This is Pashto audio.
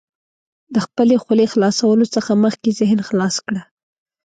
د خپلې خولې خلاصولو څخه مخکې ذهن خلاص کړه.